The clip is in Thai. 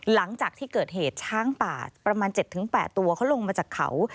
หลังจากที่เกิดเหตุช้างป่าประมาณ๗๘ตัวเขาลงมาจากเขา